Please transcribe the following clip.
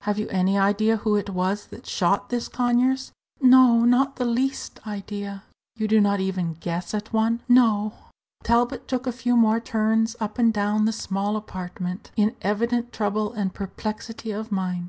"Have you any idea who it was that shot this Conyers?" "No, not the least idea." "You do not even guess at any one?" "No." Talbot took a few more turns up and down the small apartment, in evident trouble and perplexity of mind.